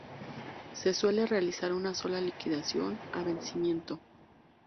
Se suele realizar una sola liquidación a vencimiento.